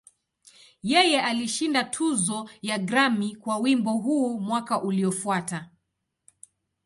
Yeye alishinda tuzo ya Grammy kwa wimbo huu mwaka uliofuata.